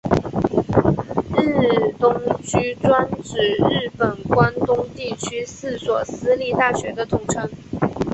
日东驹专指日本关东地区四所私立大学的统称。